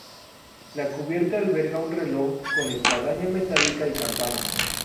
La cubierta alberga un reloj con espadaña metálica y campana.